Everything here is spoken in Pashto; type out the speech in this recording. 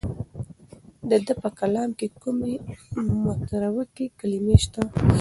د ده په کلام کې کومې متروکې کلمې شته؟